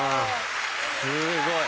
「すごい。